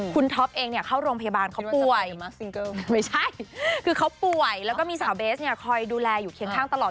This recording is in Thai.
คุณท็อปเองเนี่ยเข้าโรงพยาบาลเขาป่วยไม่ใช่คือเขาป่วยแล้วก็มีสาวเบสเนี่ยคอยดูแลอยู่เคียงข้างตลอด